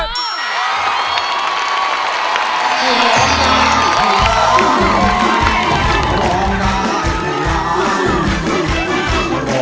เครื่องชัย